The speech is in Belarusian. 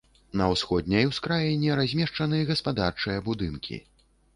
На ўсходняй ускраіне размешчаны гаспадарчыя будынкі.